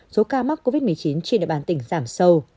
số ca mắc covid một mươi chín trên địa bàn tỉnh giảm sâu